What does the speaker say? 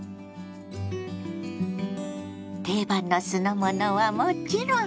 定番の酢の物はもちろん！